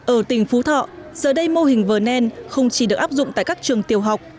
ở tỉnh phú thọ giờ đây mô hình vernon không chỉ được áp dụng tại các trường tiểu học